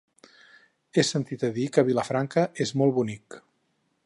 He sentit a dir que Vilafranca és molt bonic.